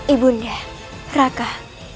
ibu nda rakah